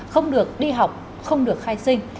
không được đi học không được khai sinh